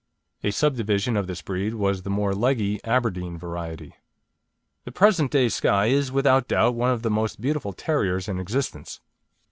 A sub division of this breed was the more leggy "Aberdeen" variety. The present day Skye is without doubt one of the most beautiful terriers in existence.